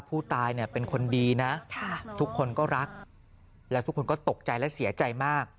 ผู้ตายเนี่ยเป็นคนดีนะทุกคนก็รักแล้วทุกคนก็ตกใจและเสียใจมาก